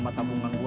kan apapun wine